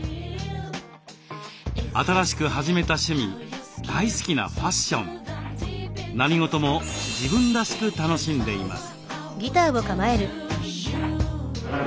新しく始めた趣味大好きなファッション何事も自分らしく楽しんでいます。